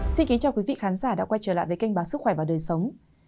xin kính chào quý vị khán giả đã quay trở lại với kinh báo sức khỏe và đời sống